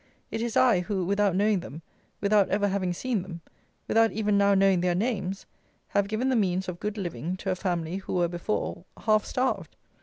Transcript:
It is I, who, without knowing them, without ever having seen them, without even now knowing their names, have given the means of good living to a family who were before half starved.